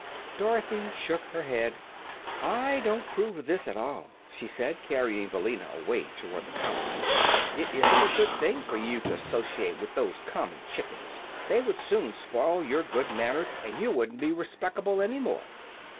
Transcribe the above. Dorothy shook her head. "I don't 'prove of this, at all," she said, carrying Billina away toward the palace. "It isn't a good thing for you to 'sociate with those common chickens. They would soon spoil your good manners, and you wouldn't be respec'able any more."